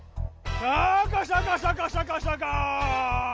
シャカシャカシャカシャカシャカ！